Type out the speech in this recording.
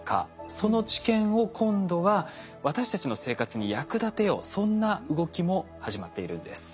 その知見を今度は私たちの生活に役立てようそんな動きも始まっているんです。